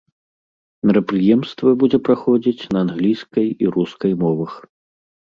Мерапрыемства будзе праходзіць на англійскай і рускай мовах.